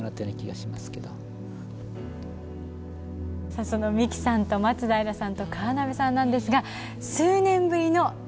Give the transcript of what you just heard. さあその三木さんと松平さんと河辺さんなんですが数年ぶりの再会を果たしました。